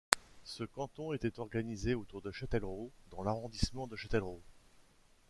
Ce canton était organisé autour de Châtellerault dans l'arrondissement de Châtellerault.